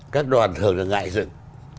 các đoàn thường được ngại dựng